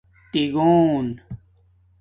تِگݸن